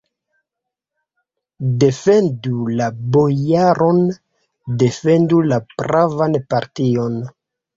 Defendu la bojaron, defendu la pravan partion!